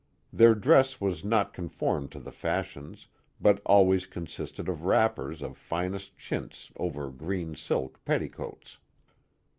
Their dress was not conformed to the fashions, but always consisted of wrappers of finest chintz over green silk petticoats.